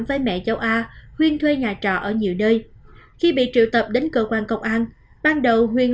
với mẹ cháu a huyền thuê nhà trò ở nhiều nơi khi bị triệu tập đến cơ quan công an ban đầu huyền